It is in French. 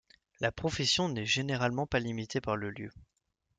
La profession n'est généralement pas limitée par le lieu.